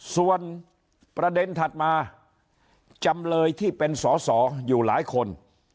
ส่วนประเด็นถัดมาจำเลยที่เป็นสอสออยู่หลายคน